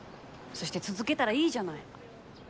そして続けたらいいじゃない。